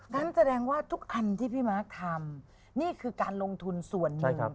นั่นแสดงว่าทุกอันที่พี่มาร์คทำนี่คือการลงทุนส่วนหนึ่ง